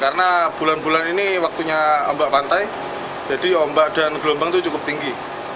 karena bulan bulan ini waktunya ombak pantai jadi ombak dan gelombang itu cukup tinggi